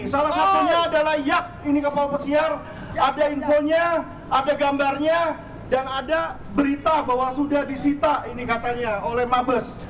salah satunya adalah yak ini kapal pesiar ada infonya ada gambarnya dan ada berita bahwa sudah disita ini katanya oleh mabes